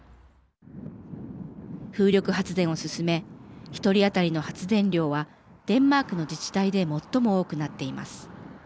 風力発電を進め１人当たりの発電量はデンマークの自治体で最も多くなっています。